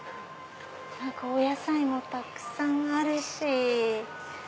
お野菜もたくさんあるし。